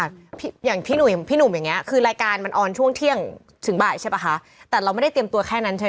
คุณชูวิตต้อออกกำลังกายทุกเช้านะคะเค้าต้องว่ายน้ำทุกเช้าตอนประมาณตีห้าครึ่งค่ะ